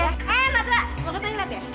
eh nadra mau ketemu nad ya